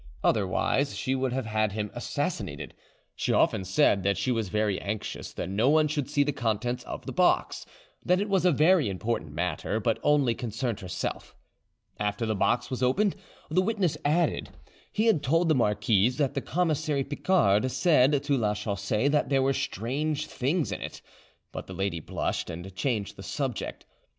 Other wise she would have had him assassinated. She often said that she was very anxious that no one should see the contents of the box; that it was a very important matter, but only concerned herself. After the box was opened, the witness added, he had told the marquise, that the commissary Picard said to Lachaussee that there were strange things in it; but the lady blushed, and changed the subject.